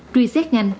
truy xét nhanh